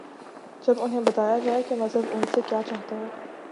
جب انہیں بتایا جائے کہ مذہب ان سے کیا چاہتا ہے۔